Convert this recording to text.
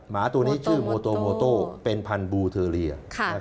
หมาตัวนี้ชื่อโมโตโมโต้เป็นพันธบูเทอเรีย